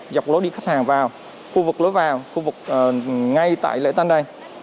dọc lối đi khách hàng vào khu vực lối vào khu vực ngay tại lễ tân đây